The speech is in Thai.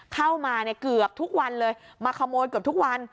เข้ามาเนี่ยเกือบทุกวันเลยมาขโมยเกือบทุกวัน